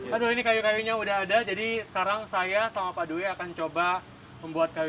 aduh ini kayu kayunya udah ada jadi sekarang saya sama pak due akan coba membuat kayu